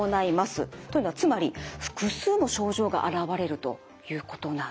というのはつまり複数の症状があらわれるということなんです。